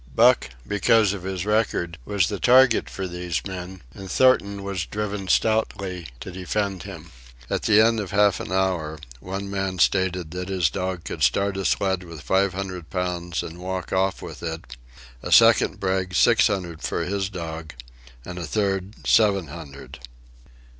Buck, because of his record, was the target for these men, and Thornton was driven stoutly to defend him. At the end of half an hour one man stated that his dog could start a sled with five hundred pounds and walk off with it; a second bragged six hundred for his dog; and a third, seven hundred.